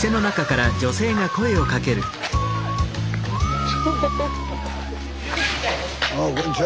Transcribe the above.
ああこんちは！